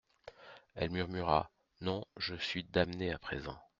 Elle murmura : Non, je suis damnée à présent.